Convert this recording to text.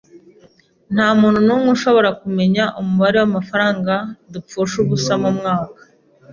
Ntamuntu numwe ushobora kumenya umubare wamafaranga dupfusha ubusa mumwaka.